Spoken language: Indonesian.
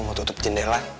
mau tutup jendela